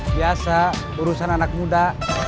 biasa urusan anak muda